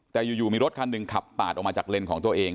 แต่อยู่มีรถคันหนึ่งขับปาดออกมาจากเลนของตัวเอง